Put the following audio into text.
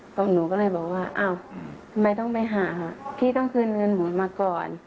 ก็หนูก็เลยบอกว่าเอ้าทำไมต้องไปหาเขาบอกว่าพี่ต้องคืนเงินผมมาก่อน